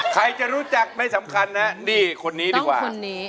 ใครจะรู้จักไม่สำคัญนะคนนี้ดีกว่า